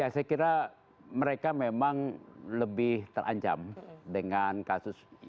ya saya kira mereka memang lebih terancam dengan kasus ini